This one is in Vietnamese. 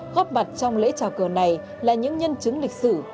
góp mặt trong lễ trào cờ này là những nhân chứng lịch sử